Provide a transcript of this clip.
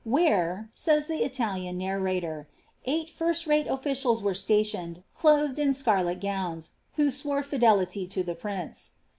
^ Where," says the Italian narrator, ^ eight first rate officials were sta tioned, clothed in scariet gowns, who swore fidelity to the prince."